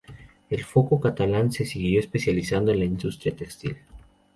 El foco catalán se siguió especializando en la industria textil.